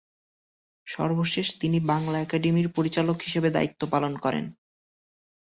সর্বশেষে তিনি বাংলা একাডেমির পরিচালক হিসেবে দায়িত্ব পালন করেন।